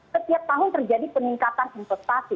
setiap tahun terjadi peningkatan investasi